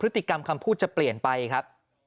ติกรรมคำพูดจะเปลี่ยนไปครับ